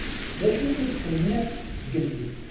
Dacu i d-tenniḍ zgelli?